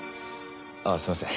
ああすいません。